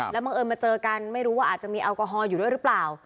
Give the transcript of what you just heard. แล้วบังเอิญมาเจอกันไม่รู้ว่าอาจจะมีแอลกอฮอลอยู่ด้วยหรือเปล่า